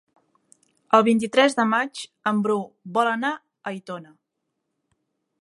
El vint-i-tres de maig en Bru vol anar a Aitona.